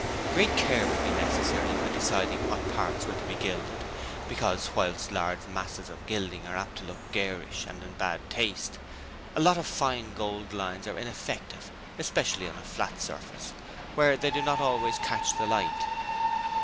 Great care would be necessary when deciding what parts were to be gilded because whilst large masses of gilding are apt to look garish and in bad taste a lot of fine gold lines are ineffective, especially on a flat surface, where they do not always catch the light.